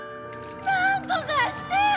なんとかしてよ！